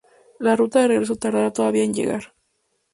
La ruta de regreso tardará todavía en llegar.